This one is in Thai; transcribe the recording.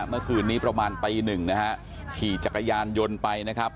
เมื่อคืนนี้ประมาณตีหนึ่งนะฮะขี่จักรยานยนต์ไปนะครับ